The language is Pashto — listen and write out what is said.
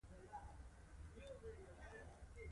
دا خو منو ده